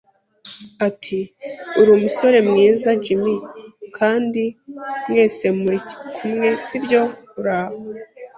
Ati: "uri umusore mwiza, Jim"; “Kandi mwese murikumwe, sibyo? Uraho